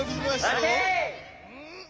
うん？